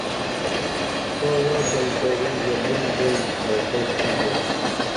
تاں لاکن تہ وعی زبُن بین بردش نی بیاں